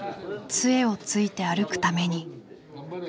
杖をついて歩くために。